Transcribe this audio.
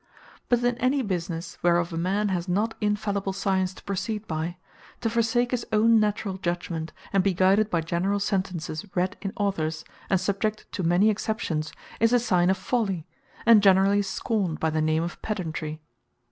But in any businesse, whereof a man has not infallible Science to proceed by; to forsake his own natural judgement, and be guided by generall sentences read in Authors, and subject to many exceptions, is a signe of folly, and generally scorned by the name of Pedantry.